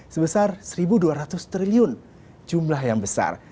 sebesar rp satu dua ratus triliun jumlah yang besar